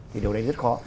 thì điều đấy rất khó